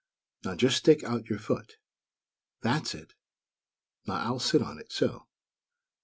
Now just stick out your foot. That's it. Now I'll sit on it, so.